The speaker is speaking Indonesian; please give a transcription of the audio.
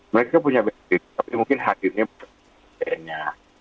mereka punya band nya tapi mungkin hadirnya bukan band nya